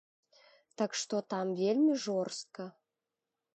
Так што там вельмі жорстка!